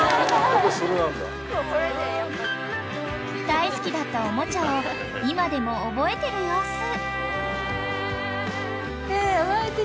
［大好きだったおもちゃを今でも覚えてる様子］